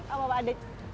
apa pak ada